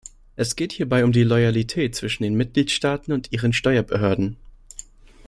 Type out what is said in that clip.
Es geht hierbei um die Loyalität zwischen den Mitgliedstaaten und ihren Steuerbehörden.